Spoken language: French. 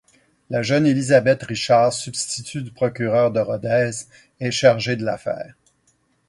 La jeune Élisabeth Richard, substitut du procureur de Rodez, est chargée de l'affaire.